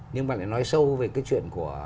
nhưng mà lại nói sâu về cái chuyện của